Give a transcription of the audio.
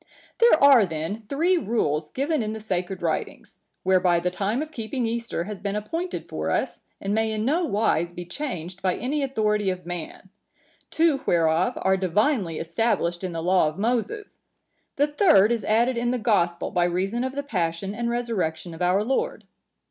"There are then three rules given in the Sacred Writings, whereby the time of keeping Easter has been appointed for us and may in no wise be changed by any authority of man; two whereof are divinely established in the law of Moses; the third is added in the Gospel by reason of the Passion and Resurrection of our Lord.